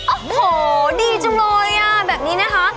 โอ้โหดีจังเลยอ่ะแบบนี้นะคะ